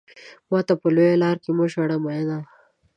ماته په لويه لار کې مه ژاړه مينه.